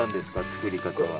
作り方は。